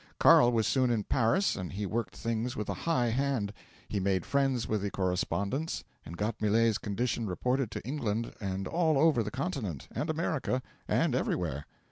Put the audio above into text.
'Carl was soon in Paris and he worked things with a high hand. He made friends with the correspondents, and got Millet's condition reported to England and all over the continent, and America, and everywhere.